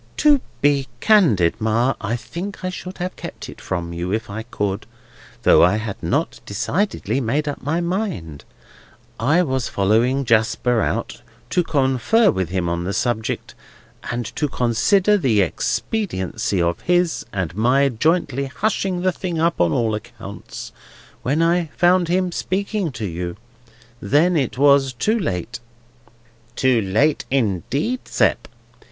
"To be candid, Ma, I think I should have kept it from you if I could: though I had not decidedly made up my mind. I was following Jasper out, to confer with him on the subject, and to consider the expediency of his and my jointly hushing the thing up on all accounts, when I found him speaking to you. Then it was too late." "Too late, indeed, Sept.